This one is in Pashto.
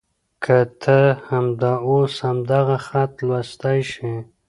که ته همدا اوس همدغه خط لوستلی شې.